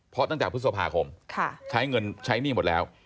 เพราะตั้งแต่พฤษภาคมใช้เงินใช้หนี้หมดแล้ว